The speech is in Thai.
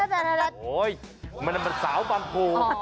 มันเป็นสาวบางโพ